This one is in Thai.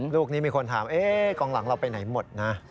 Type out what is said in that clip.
ลูกนี้มีคนถามกองหลังเราไปไหนหมดนะ